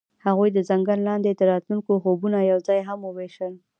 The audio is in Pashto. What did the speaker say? هغوی د ځنګل لاندې د راتلونکي خوبونه یوځای هم وویشل.